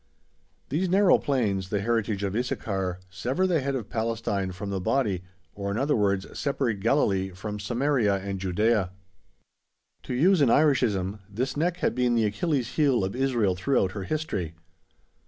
These narrow plains, the heritage of Issachar, sever the head of Palestine from the body, or, in other words, separate Galilee from Samaria and Judæa. To use an Irishism, this neck had been the "Achilles' heel" of Israel throughout her history.